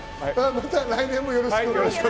また来年もよろしくお願いします。